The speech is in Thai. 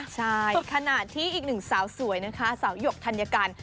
ใช่ขณะที่อีกหนึ่งสาวสวยนะคะสาวหยกธัญกัน